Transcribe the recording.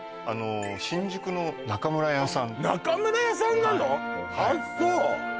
新宿の中村屋さん中村屋さんなの？